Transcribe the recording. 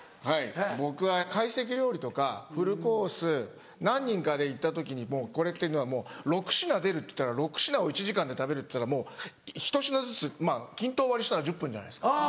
僕は会席料理とかフルコース何人かで行った時にもうこれっていうのは６品出るっていったら６品を１時間で食べるったらもうひと品ずつ均等割りしたら１０分じゃないですか。